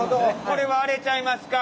これはアレちゃいますか？